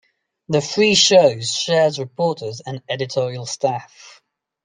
The three shows share reporters and editorial staff.